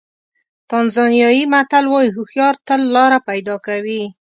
تانزانیایي متل وایي هوښیار تل لاره پیدا کوي.